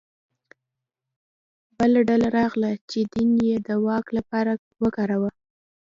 بله ډله راغله چې دین یې د واک لپاره وکاروه